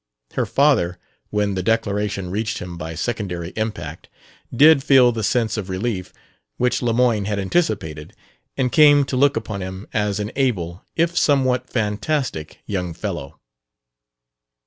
Her father, when the declaration reached him by secondary impact, did feel the sense of relief which Lemoyne had anticipated, and came to look upon him as an able, if somewhat fantastic, young fellow.